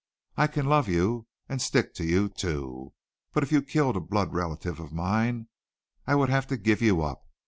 I can love you and stick to you, too. But if you killed a blood relative of mine I would have to give you up.